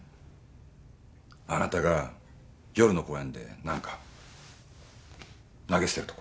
あなたが夜の公園で何か投げ捨てるとこ。